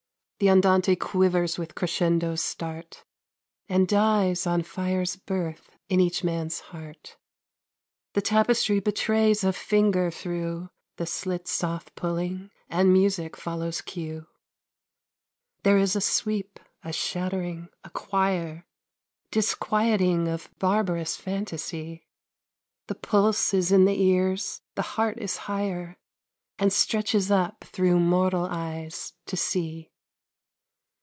The andante quivers with crescendo's start, And dies on fire's birth in each man's heart. The tapestry betrays a finger through The slit, soft pulling; and music follows cue. There is a sweep, a shattering, a choir Disquieting of barbarous fantasy. The pulse is in the ears, the heart is higher, And stretches up through mortal eyes to see.